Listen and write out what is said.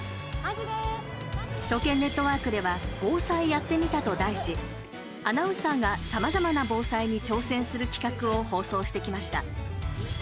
首都圏ネットワークでは防災やってみたと題しアナウンサーがさまざまな防災に挑戦する企画を放送してきました。